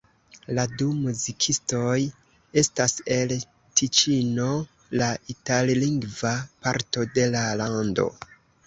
La du muzikistoj estas el Tiĉino, la itallingva parto de la lando.